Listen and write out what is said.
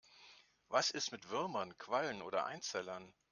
Was ist mit Würmern, Quallen oder Einzellern?